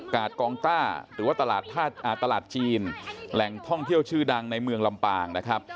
กองต้าหรือว่าตลาดจีนแหล่งท่องเที่ยวชื่อดังในเมืองลำปางนะครับ